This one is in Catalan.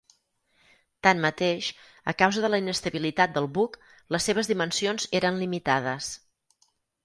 Tanmateix, a causa de la inestabilitat del buc, les seves dimensions eren limitades.